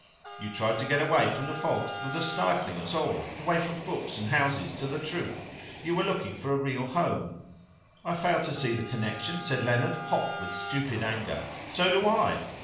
"You tried to get away from the fogs that are stifling us all away past books and houses to the truth. You were looking for a real home. " "I fail to see the connection," said Leonard, hot with stupid anger. "So do I."